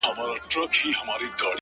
زخمي ـ زخمي سترګي که زما وویني ـ